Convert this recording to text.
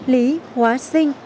lý hóa sinh